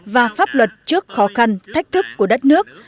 và pháp luật trước khó khăn thách thức của đất nước